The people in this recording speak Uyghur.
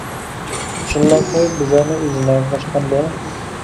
چىللاپ قويۇپ بىزلەرنى، ئۆزى نەگە قاچقاندۇ.